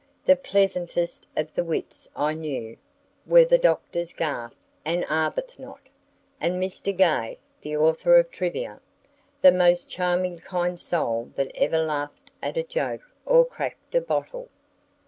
The pleasantest of the wits I knew were the Doctors Garth and Arbuthnot, and Mr. Gay, the author of "Trivia," the most charming kind soul that ever laughed at a joke or cracked a bottle.